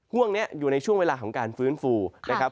ห่วงนี้อยู่ในช่วงเวลาของการฟื้นฟูนะครับ